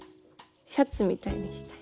シャツみたいにして。